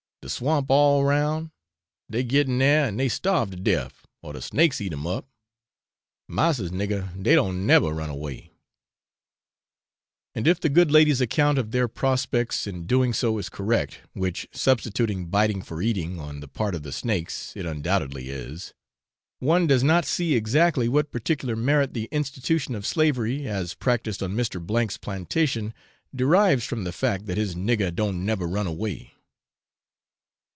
de swamp all round; dey get in dar, an dey starve to def, or de snakes eat em up massa's nigger, dey don't neber run away;' and if the good lady's account of their prospects in doing so is correct (which, substituting biting for eating, on the part of the snakes, it undoubtedly is), one does not see exactly what particular merit the institution of slavery as practised on Mr. 's plantation derives from the fact that his 'nigger don't neber run away.'